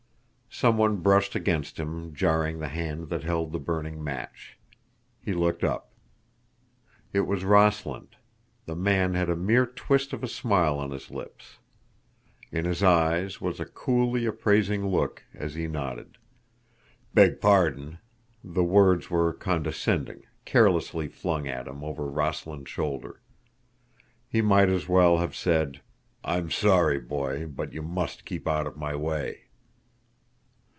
Someone brushed against him, jarring the hand that held the burning match. He looked up. It was Rossland. The man had a mere twist of a smile on his lips. In his eyes was a coolly appraising look as he nodded. "Beg pardon." The words were condescending, carelessly flung at him over Rossland's shoulder. He might as well have said, "I'm sorry, Boy, but you must keep out of my way."